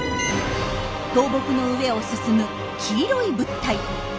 倒木の上を進む黄色い物体。